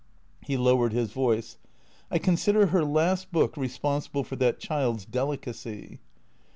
He lowered his voice. " I consider her last book responsible for that child's deli cacy."